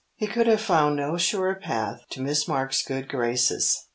He could have found no surer path to Miss Marks's good graces.